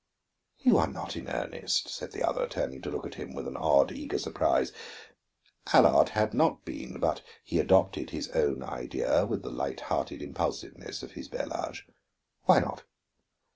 "You are not in earnest," said the other, turning to look at him with an odd, eager surprise. Allard had not been, but he adopted his own idea with the light hearted impulsiveness of his bel age. "Why not?